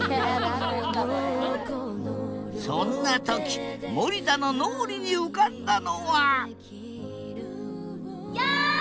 そんな時森田の脳裏に浮かんだのはヤッ！